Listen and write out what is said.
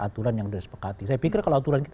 aturan yang direspekti saya pikir kalau aturan kita